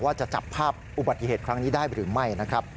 ว่าจะจับภาพอุบัติเหตุครั้งนี้ได้หรือไม่